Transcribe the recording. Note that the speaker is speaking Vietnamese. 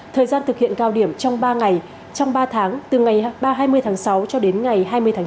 thời gian thực hiện cao điểm trong ba ngày trong ba tháng từ ngày hai mươi tháng sáu cho đến ngày hai mươi tháng chín